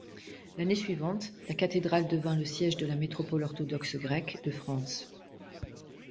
L'année suivante, la cathédrale devint le siège de la métropole orthodoxe grecque de France.